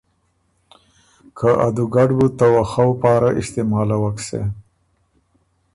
خه ا دُوګډ بُو ته وخؤ پاره استعمالوک سېن